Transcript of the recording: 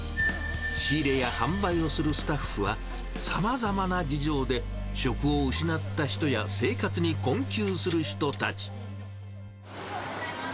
仕入れや販売をするスタッフは、さまざまな事情で食を失った人や、生活に困窮する人たち。